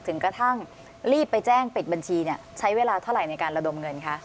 ถึงกระทั่งรีบไปแจ้งปิดบัญชีใช้เวลาเท่าไหร่ในการระดมเงินคะ